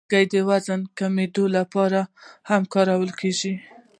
هګۍ د وزن کمېدو لپاره هم کارېږي.